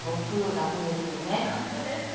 楽ですね。